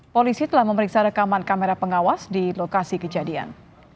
polisi telah memeriksa rekaman kamera pengawas di lokasi kejadian